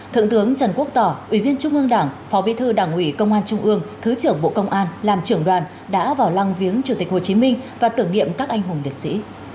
thượng tướng trần quốc tỏ ủy viên trung ương đảng phó bí thư đảng ủy công an trung ương thứ trưởng bộ công an làm trưởng đoàn đã vào lăng viếng chủ tịch hồ chí minh và tưởng niệm các anh hùng liệt sĩ